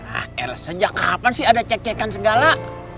ah elah sejak kapan sih ada cek cekan segala